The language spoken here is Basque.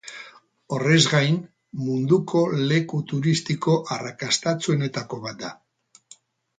Horrez gain, munduko leku turistiko arrakastatsuenetako bat da.